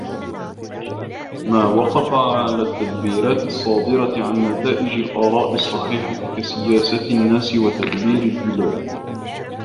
مَا وَقَفَ عَلَى التَّدْبِيرَاتِ الصَّادِرَةِ عَنْ نَتَائِجِ الْآرَاءِ الصَّحِيحَةِ كَسِيَاسَةِ النَّاسِ وَتَدْبِيرِ الْبِلَادِ